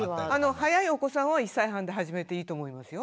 早いお子さんは１歳半で始めていいと思いますよ。